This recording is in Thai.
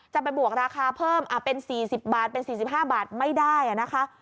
จะไปบวกราคาเพิ่มเป็น๔๐บาทเป็น๔๕บาทไม่ได้นะคะ